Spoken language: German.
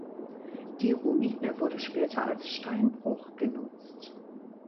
Die Ruine wurde später als Steinbruch genutzt.